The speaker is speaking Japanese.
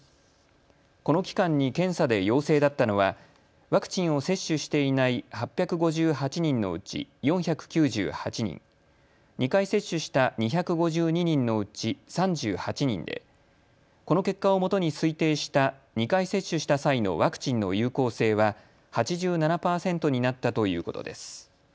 この期間に検査で陽性だったのはワクチンを接種していない８５８人のうち４９８人、２回接種した２５２人のうち３８人でこの結果をもとに推定した２回接種した際のワクチンの有効性は８７％になったということです。